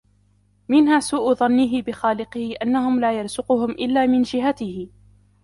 مِنْهَا سُوءُ ظَنِّهِ بِخَالِقِهِ أَنَّهُ لَا يَرْزُقُهُمْ إلَّا مِنْ جِهَتِهِ